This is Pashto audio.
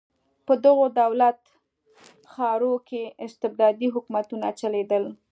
په دغو دولت ښارونو کې استبدادي حکومتونه چلېدل.